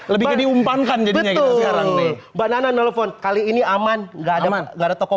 lebih diumpankan jadinya betul betul banana telepon kali ini aman enggak ada ada tokoh